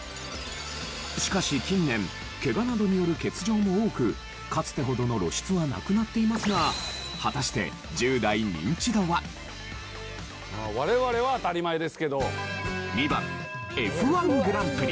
しかし近年ケガなどによる欠場も多くかつてほどの露出はなくなっていますが果たして我々は当たり前ですけど。